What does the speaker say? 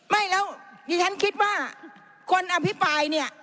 ไม่แล้วดิฉันคิดว่าคนอภิปรายเนี่ย